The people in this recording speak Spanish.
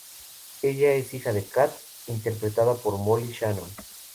Ella es hija de Kath, interpretada por Molly Shannon.